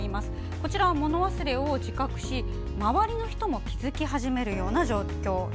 こちらは、もの忘れを自覚し周りの人も気付き始める状況。